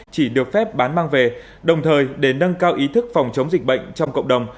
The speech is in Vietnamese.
chỉ được phép bán mang về đồng thời để nâng cao ý thức phòng chống dịch bệnh trong cộng đồng